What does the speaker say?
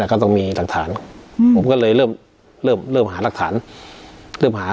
ก็ต้องมีหลักฐานผมก็เลยเริ่มเริ่มหารักฐานเริ่มหา